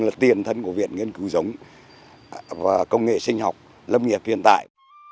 là tiền thân của viện nghiên cứu giống và công nghệ sinh học lâm nghiệp hiện tại